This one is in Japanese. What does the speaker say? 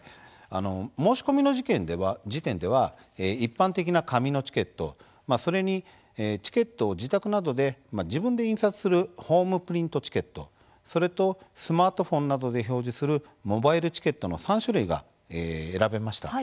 申し込みの時点では一般的な紙のチケット、それにチケットを自宅などで自分で印刷するホームプリントチケット、それとスマートフォンなどで表示するモバイルチケットの３種類が選べました。